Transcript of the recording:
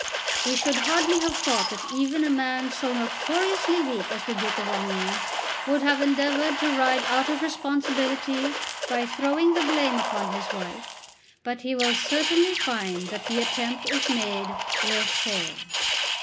We should hardly have thought that even a man so notoriously weak as the Duke of Omnium would have endeavoured to ride out of responsibility by throwing the blame upon his wife; but he will certainly find that the attempt, if made, will fail.